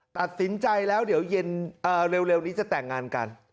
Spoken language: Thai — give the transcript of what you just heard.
ตัดสินใจแล้วเดี๋ยวเย็นเร็วนี้จะแต่งงานกัน